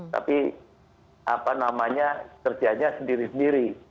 tapi apa namanya kerjanya sendiri sendiri